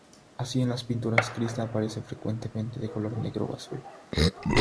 Así, en las pinturas, Krisna aparece frecuentemente de color negro o azul.